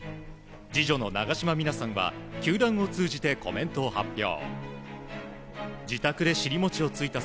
次女の長島三奈さんは球団を通じてコメントを発表。